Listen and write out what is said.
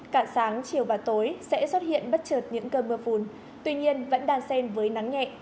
cả sáng chiều và tối sẽ xuất hiện bất trợt những cơn mưa phùn tuy nhiên vẫn đàn sen với nắng nhẹ